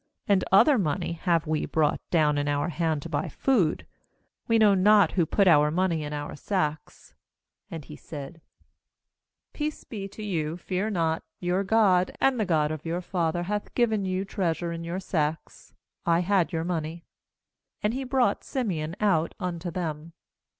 22And other money have we brought down in our hand to buy food. We know not who put pur money in our sacks.' 23Andhesaid: 'Peace be to you, fear not; your God, and the God of your father, hath given you treasure in your sacks; I had your money.' And he brought Simeon out unto them.